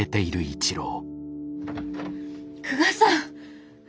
久我さん！